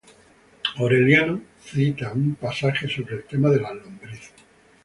Aureliano cita una pasaje sobre el tema de las lombrices.